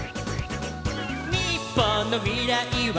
「日本の未来は」